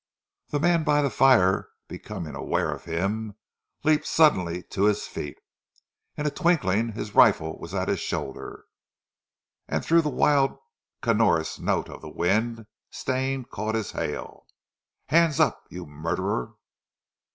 The man by the fire becoming aware of him leaped suddenly to his feet. In a twinkling his rifle was at his shoulder, and through the wild canorous note of the wind, Stane caught his hail. "Hands up! You murderer!"